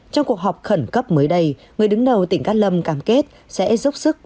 trong cuộc họp khẩn cấp mới đây người đứng đầu tỉnh cát lâm cam kết sẽ dốc sức